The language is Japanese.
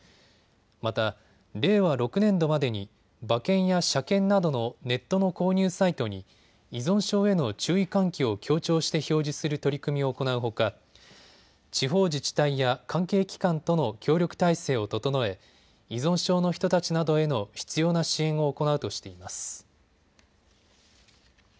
また、令和６年度までに馬券や車券などのネットの購入サイトに依存症への注意喚起を強調して表示する取り組み行うほか地方自治体や関係機関との協力体制を整え依存症の人たちなどへの必要な支援を行うとしています。